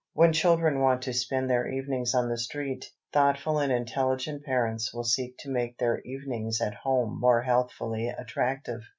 When children want to spend their evenings on the street, thoughtful and intelligent parents will seek to make their evenings at home more healthfully attractive.